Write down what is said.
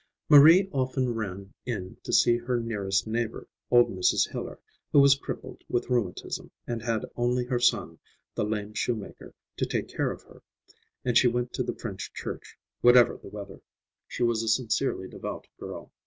Marie often ran in to see her nearest neighbor, old Mrs. Hiller, who was crippled with rheumatism and had only her son, the lame shoemaker, to take care of her; and she went to the French Church, whatever the weather. She was a sincerely devout girl.